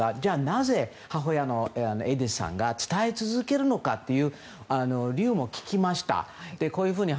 なぜ、母親のエディスさんが伝え続けるのかという理由も聞きました。